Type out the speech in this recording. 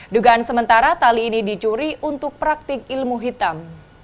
dugaan sementara tali ini dicuri untuk praktik ilmu hitam